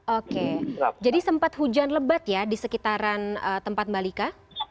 oke jadi sempat hujan lebat ya di sekitaran tempat mbak lika